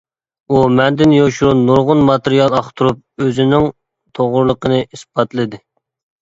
ئۇ مەندىن يوشۇرۇن نۇرغۇن ماتېرىيال ئاختۇرۇپ ئۆزىنىڭ توغرىلىقىنى ئىسپاتلىدى.